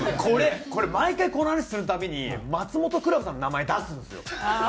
これこれ毎回この話するたびにマツモトクラブさんの名前出すんですよ。